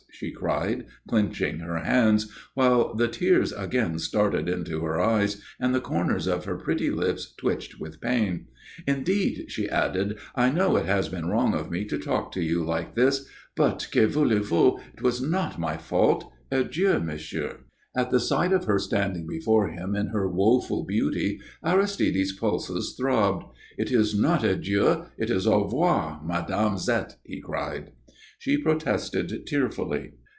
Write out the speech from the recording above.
she cried, clenching her hands, while the tears again started into her eyes, and the corners of her pretty lips twitched with pain. "Indeed," she added, "I know it has been wrong of me to talk to you like this. But que voulez vous? It was not my fault. Adieu, monsieur." At the sight of her standing before him in her woeful beauty, Aristide's pulses throbbed. "It is not adieu it is au revoir, Mme. Zette," he cried. She protested tearfully.